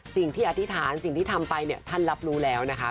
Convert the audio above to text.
อธิษฐานสิ่งที่ทำไปเนี่ยท่านรับรู้แล้วนะคะ